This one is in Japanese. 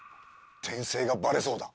転生がバレそうだ。